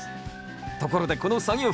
ところでこの作業服